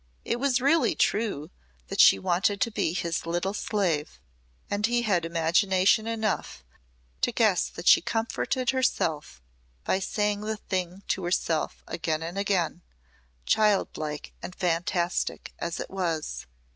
It was really true that she wanted to be his little slave and he had imagination enough to guess that she comforted herself by saying the thing to herself again and again; childlike and fantastic as it was.